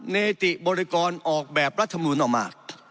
เนติบริกรออกแบบรัฐมนุนออกมา